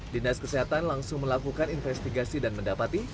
dinas kesehatan langsung melakukan investigasi dan mendapati